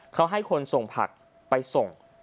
เขาให้คนส่งผักไปส่ง